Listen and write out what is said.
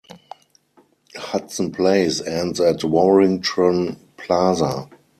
Hudson Place ends at Warringtron Plaza.